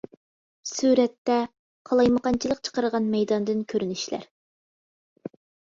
سۈرەتتە : قالايمىقانچىلىق چىقارغان مەيداندىن كۆرۈنۈشلەر.